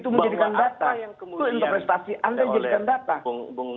bahwa apa yang kemudian